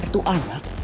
kejar tu anak